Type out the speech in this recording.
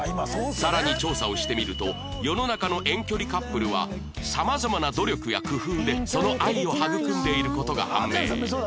さらに調査をしてみると世の中の遠距離カップルは様々な努力や工夫でその愛を育んでいる事が判明